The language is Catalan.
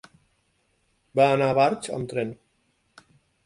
Va anar a Barx amb tren.